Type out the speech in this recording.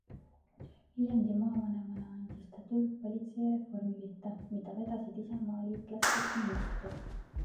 Viljandi maavanemana andis ta tuld politseireformi pihta, mida vedasid isamaaliitlastest ministrid.